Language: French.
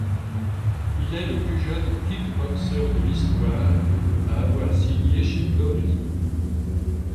Il est le plus jeune kickboxeur de l'histoire à avoir signé chez Glory.